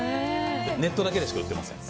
ネットだけでしか売っていません。